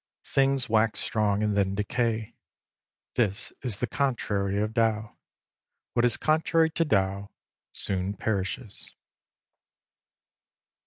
Things wax strong and then decay. This is the contrary of Tao. What is contrary to Tao soon perishes.